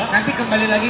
nanti kembali lagi